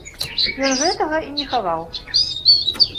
Ён гэтага і не хаваў.